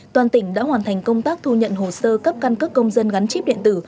toàn tỉnh đã hoàn thành công tác thu nhận hồ sơ cấp căn cấp công dân gắn chip điện tử